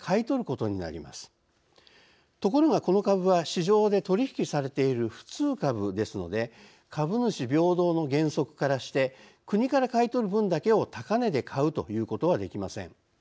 ところがこの株は市場で取り引きされている普通株ですので株主平等の原則からして国から買い取る分だけを高値で買うということはできません。